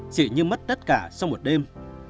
chỉ như mất tất cả sau một đêm